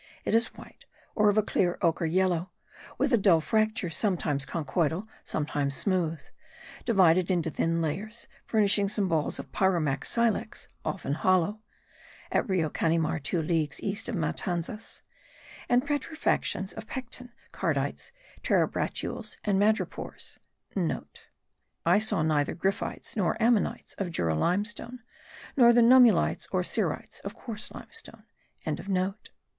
It is white, or of a clear ochre yellow, with a dull fracture, sometimes conchoidal, sometimes smooth; divided into thin layers, furnishing some balls of pyromac silex, often hollow (at Rio Canimar two leagues east of Matanzas), and petrifications of pecten, cardites, terebratules and madrepores.* (* I saw neither gryphites nor ammonites of Jura limestone nor the nummulites and cerites of coarse limestone.)